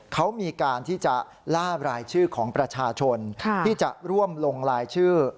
เขามีการที่จะล่ารายชื่อของประชาชนที่จะร่วมลงรายชื่อ